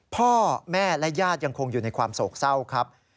พ่อแม่และญาติยังคงอยู่ในความโศกเศร้าครับ